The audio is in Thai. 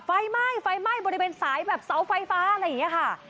ไฟไหม้ไฟไหม้บริเวณสายแบบเสาไฟฟ้าอะไรอย่างนี้ค่ะ